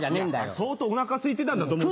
相当お腹すいてたんだと思う。